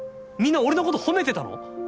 みんな俺の事褒めてたの？